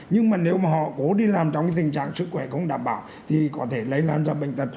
nhưng mà nếu mà họ cố đi làm trong cái tình trạng sức khỏe không đảm bảo thì có thể lấy làm cho bệnh tật